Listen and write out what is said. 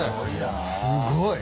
すごいな。